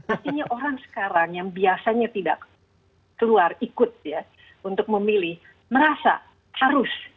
artinya orang sekarang yang biasanya tidak keluar ikut ya untuk memilih merasa harus